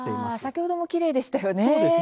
先ほどもきれいでしたよね。